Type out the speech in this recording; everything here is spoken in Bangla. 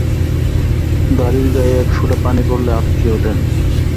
গাড়ির গায়ে এক ফোঁটা পানি পড়লে আঁৎকে ওঠেন।